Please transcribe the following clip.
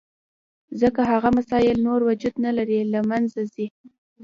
ځکه هغه مسایل نور وجود نه لري، له منځه ځي.